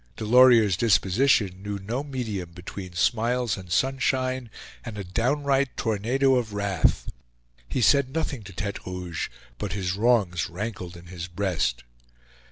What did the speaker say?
Delorier's disposition knew no medium between smiles and sunshine and a downright tornado of wrath; he said nothing to Tete Rouge, but his wrongs rankled in his breast.